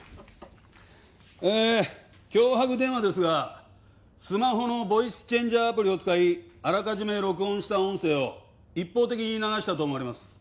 えぇ脅迫電話ですがスマホのボイスチェンジャー・アプリを使いあらかじめ録音した音声を一方的に流したと思われます。